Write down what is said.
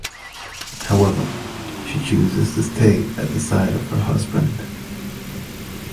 However, she chooses to stay at the side of her husband.